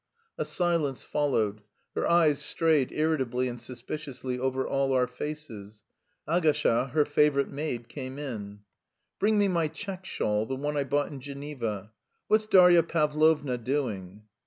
A silence followed. Her eyes strayed irritably and suspiciously over all our faces. Agasha, her favourite maid, came in. "Bring me my check shawl, the one I bought in Geneva. What's Darya Pavlovna doing?"